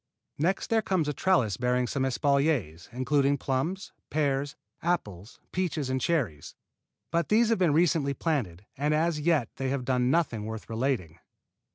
Next there comes a trellis bearing some espaliers, including plums, pears, apples, peaches and cherries; but these have been recently planted, and as yet they have done nothing worth relating.